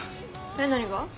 えっ何が？